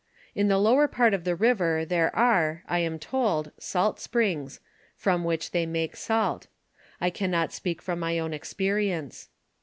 In the lower part of the river there are, I am told, salt springs, from which they make salt ; I can not speak from my own experience.